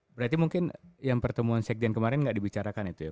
berarti mungkin yang pertemuan sekjen kemarin nggak dibicarakan itu ya